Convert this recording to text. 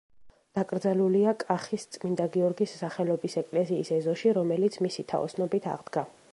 დაკრძალულია კახის წმინდა გიორგის სახელობის ეკლესიის ეზოში, რომელიც მისი თაოსნობით აღდგა.